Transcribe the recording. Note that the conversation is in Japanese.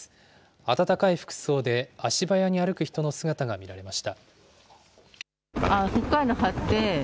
暖かい服装で足早に歩く人の姿が見られました。